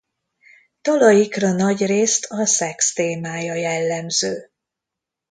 Dalaikra nagyrészt a szex témája jellemző.